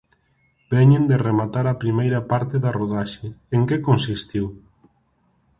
Veñen de rematar a primeira parte da rodaxe, en que consistiu?